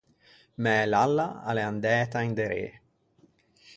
Mæ lalla a l’é andæta inderê.